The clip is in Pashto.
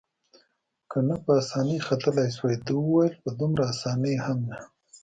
که نه په اسانۍ ختلای شوای، ده وویل: په دومره اسانۍ هم نه.